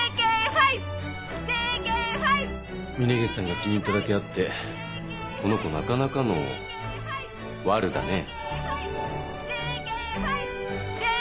峰岸さんが気に入っただけあってこの子なかなかの悪女だね。